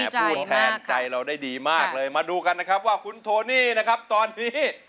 พูดแทนใจเราได้ดีมากเลยมาดูกันนะครับว่าคุณโทนี่นะครับตอนนี้